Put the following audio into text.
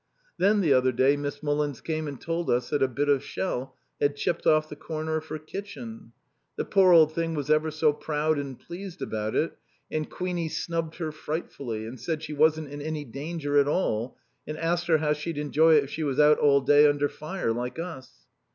Then the other day Miss Mullins came and told us that a bit of shell had chipped off the corner of her kitchen. The poor old thing was ever so proud and pleased about it, and Queenie snubbed her frightfully, and said she wasn't in any danger at all, and asked her how she'd enjoy it if she was out all day under fire, like us.